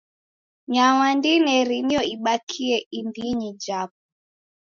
Nyama ndineri nio ibakie indinyi japo.